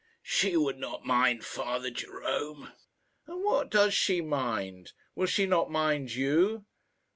"She would not mind Father Jerome." "And what does she mind? Will she not mind you?"